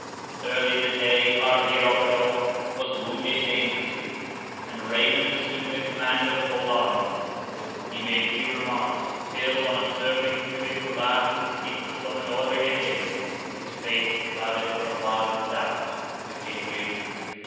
Early in the day, Argyropylo was wounded dangerously, and Raymond assumed the command of the whole army. He made few remarks, till, on observing through his glass the sequel of an order he had given, his face, clouded for awhile with doubt, became radiant.